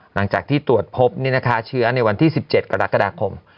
หลังจากที่ตรวจพบเชื้อในวันที่๑๗กรกฎาคม